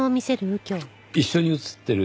一緒に写っている